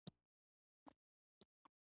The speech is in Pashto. په ځمکه لیکې راکاږم او مات زړګۍ رسموم